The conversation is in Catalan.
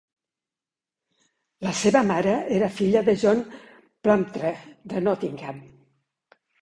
La seva mare era filla de John Plumptre de Nottingham.